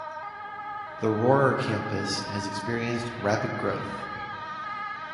The Rohrer Campus has experienced rapid growth.